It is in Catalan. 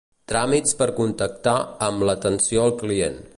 Tràmits per contactar amb l'atenció al client.